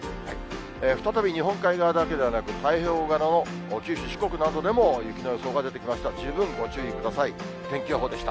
再び日本海側だけではなく、太平洋側の九州、四国などでも雪の予想が出てきました。